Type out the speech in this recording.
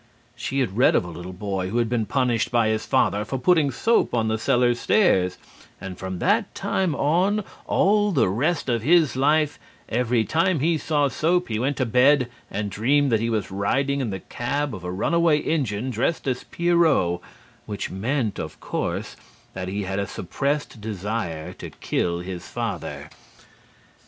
She had read of a little boy who had been punished by his father for putting soap on the cellar stairs, and from that time on, all the rest of his life, every time he saw soap he went to bed and dreamed that he was riding in the cab of a runaway engine dressed as Perriot, which meant, of course, that he had a suppressed desire to kill his father.